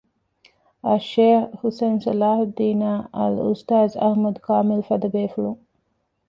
އައްޝައިޚް ޙުސައިން ޞަލާޙުއްދީނާއި އަލްއުސްތާޛް އަޙްމަދު ކާމިލުފަދަ ބޭފުޅުން